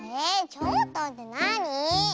ちょっとってなに？